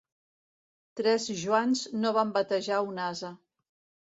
Tres Joans no van batejar un ase.